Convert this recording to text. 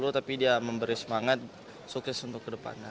tapi dia memberi semangat showcase untuk kedepannya